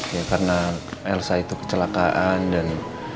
ya karena elsa itu kecelakaan dan